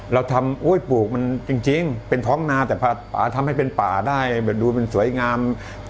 เราทำปลูกมันจริงเป็นท้องนาแต่ป่าทำให้เป็นป่าได้แบบดูเป็นสวยงาม